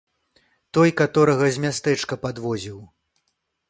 Той, каторага з мястэчка падвозіў.